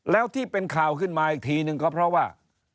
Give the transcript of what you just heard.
แล้วที่เป็นข่าวขึ้นมาอีกทีนึงก็เพราะว่า